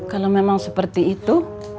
kalau memang seperti itu